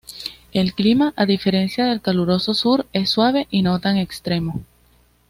El clima, a diferencia del caluroso sur, es suave y no tan extremo.